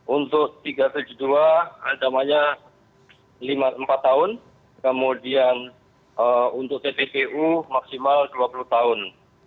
untuk tiga ratus tujuh puluh dua ancamannya empat tahun kemudian untuk tppu maksimal dua puluh tahun